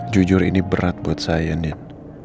jujur ini berat buat saya nih